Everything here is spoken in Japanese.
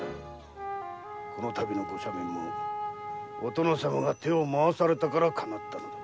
このたびのご赦免も殿様が手を回されたからかなったのだ。